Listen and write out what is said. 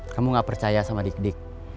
kamu gak percaya sama dik dik